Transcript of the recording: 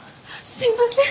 すいません。